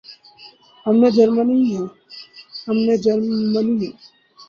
ہم نہ جرمنی ہیں۔